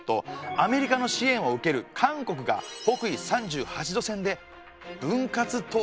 アメリカの支援を受ける韓国が北緯３８度線で分割統治されていました。